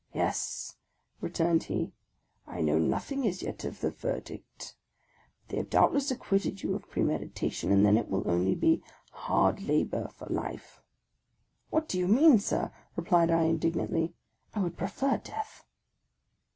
" Yes," returned he ; "I know nothing as yet of the ver dict, but they have doubtless acquitted you of premeditation, and then it will be only hard labour for life! "" What do you mean, sir ?" replied I, indignantly ;" I would prefer death